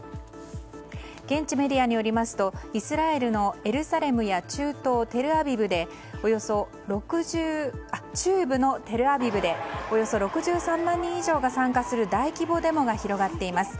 現地メディアによりますとイスラエルのエルサレムや中部のテルアビブでおよそ６３万人以上が参加する大規模デモが広がっています。